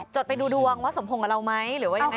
ไปดูดวงว่าสมพงษ์กับเราไหมหรือว่ายังไง